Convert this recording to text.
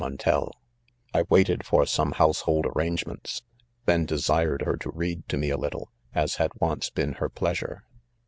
DM>ntei I waited for some lunisehokl arrange ments i then desired her to read to me. a little, $s had once been her pleasure.